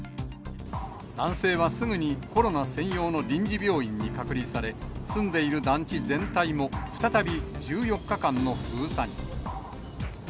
男性はすぐにコロナ専用の臨時病院に隔離され、住んでいる団地全体も、再び１４日間の封鎖に。